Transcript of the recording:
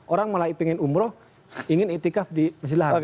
orang malah ingin umroh ingin itikaf di masjid lahar